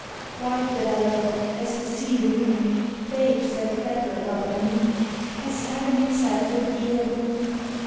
_ Wife that I love as the sea the moon, Babes that prattle about my knee; Has heaven itself a dearer boon?